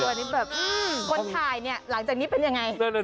คนถ่ายเนี่ยหลังจากนี้เป็นยังไง